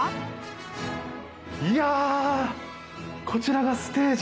いやこちらがステージ。